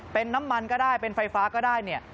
เป็นน้ำมันก็ได้เป็นไฟฟ้าก็ได้เนี่ย